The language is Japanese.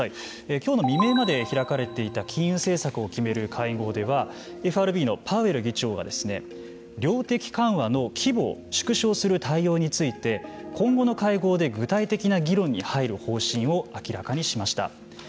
きょうの未明まで開かれていた金融政策を決める会合ではＦＲＢのパウエル議長が量的緩和の規模を縮小する対応について今後の会合で具体的な議論に入る方針を明らかにしました。